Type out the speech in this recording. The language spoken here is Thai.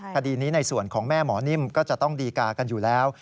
คดีนี้ในส่วนของแม่หมอนิ่มก็จะต้องดีกากันอยู่แล้ว